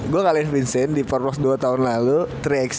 gue ngalahin vincent di forwards dua tahun lalu tiga x